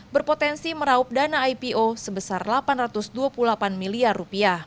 berpotensi meraup dana ipo sebesar rp delapan ratus dua puluh delapan miliar